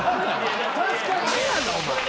確かに。